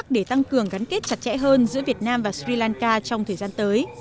để tăng cường gắn kết chặt chẽ hơn giữa việt nam và sri lanka trong thời gian tới